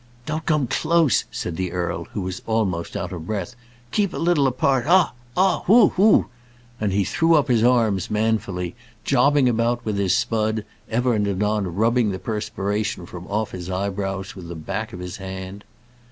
"Don't come close!" said the earl, who was almost out of breath. "Keep a little apart. Ugh! ugh! whoop, whoop!" And he threw up his arms manfully, jobbing about with his spud, ever and anon rubbing the perspiration from off his eyebrows with the back of his hand.